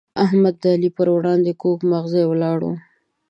احمد د علي پر وړاندې کوږ مغزی ولاړ وو.